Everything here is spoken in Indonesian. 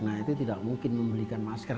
nah itu tidak mungkin membelikan masker